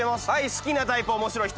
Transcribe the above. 「好きなタイプ面白い人」。